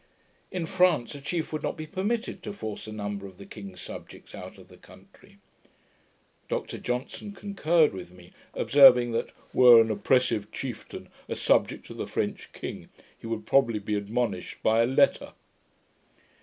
In France a chief would not be permitted to force a number of the king's subjects out of the country. Dr Johnson concurred with me, observing, that 'were an oppressive chieftain a subject of the French king, he would probably be admonished by a LETTER'.